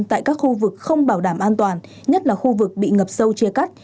tại các khu vực không bảo đảm an toàn nhất là khu vực bị ngập sâu chia cắt